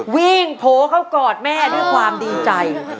โผล่เข้ากอดแม่ด้วยความดีใจ